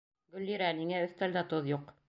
Гөллирә, ниңә өҫтәлдә тоҙ юҡ?